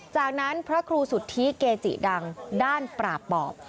จากนั้นพระครูสุทธิเกจิดังด้านปราบปอบ